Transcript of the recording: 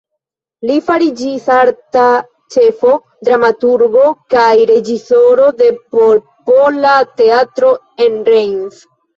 Li fariĝis arta ĉefo, dramaturgo kaj reĝisoro de Popola teatro en Reims.